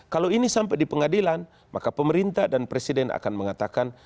kalau ini sampai di pengadilan maka pemerintah dan presiden akan mengatakan